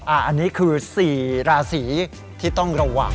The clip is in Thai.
อันนี้คือ๔ราศีที่ต้องระวัง